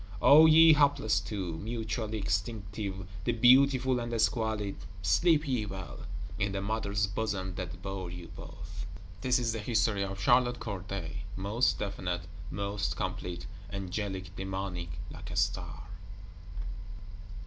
O ye hapless Two, mutually extinctive, the Beautiful and the Squalid, sleep ye well, in the Mother's bosom that bore you both! This is the History of Charlotte Corday; most definite, most complete: angelic demonic: like a Star!